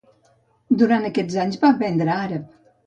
Durant aquests anys va aprendre àrab.